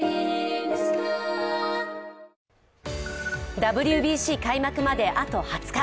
ＷＢＣ開幕まであと２０日。